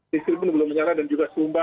di sri pun belum menyala dan juga sumba